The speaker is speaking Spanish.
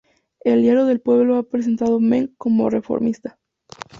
El Diario del Pueblo ha presentado Meng como reformista.